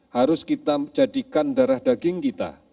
harus kita menjadikan darah daging kita